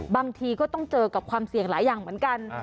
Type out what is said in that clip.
บางทีก็ต้องเจอกับความเสี่ยงหลายอย่างเหมือนกัน